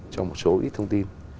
cho một số ít thông tin